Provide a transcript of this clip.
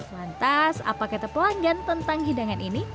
lantas apa kata pelanggan tentang hidangan ini